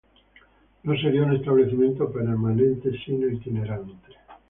No sería un establecimiento permanente sino itinerante.